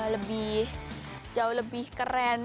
lebih jauh lebih keren